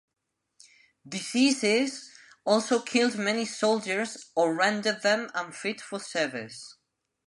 Diseases also killed many soldiers or rendered them unfit for service.